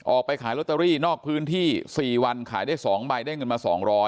ออกไปขายลอตเตอรี่นอกพื้นที่๔วันขายได้๒ใบได้เงินมา๒๐๐